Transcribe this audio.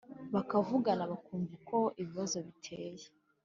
bakavugana bakumva uko ikibazo giteye